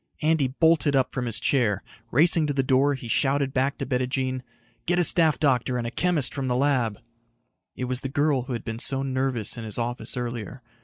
Andy bolted up from his chair. Racing to the door, he shouted back to Bettijean, "Get a staff doctor and a chemist from the lab." It was the girl who had been so nervous in his office earlier.